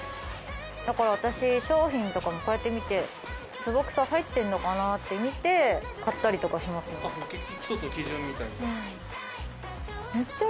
だから私商品とかもこうやって見てツボクサ入ってんのかなって見て買ったりとかしますもん。